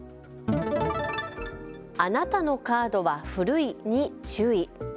あなたのカードは古いに注意。